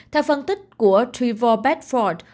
theo phân tích của trevor bedford